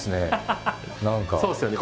そうですよね。